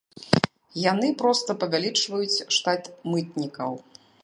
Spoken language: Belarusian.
Яны проста павялічваюць штат мытнікаў.